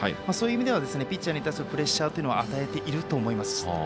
そういう意味ではピッチャーに対するプレッシャーを与えていると思います。